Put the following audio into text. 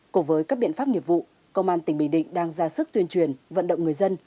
cùng với các biện pháp nghiệp vụ công an tỉnh bình định đang ra sức tuyên truyền vận động người dân